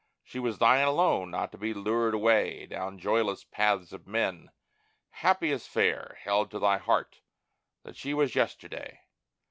She was thine own, not to be lured away Down joyless paths of men. Happy as fair, Held to thy heart that was she yesterday.